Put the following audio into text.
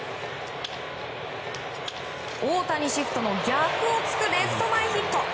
大谷シフトの逆を突くレフト前ヒット！